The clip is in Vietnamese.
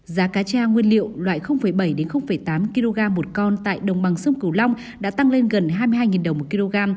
giá cá cha nguyên liệu loại bảy tám kg một con tại đồng bằng sông cửu long đã tăng lên gần hai mươi hai đồng một kg